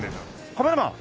カメラマン？